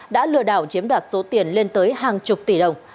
đã lừa đảo chiếm đoạt số tiền lên tới hàng chục tỷ đồng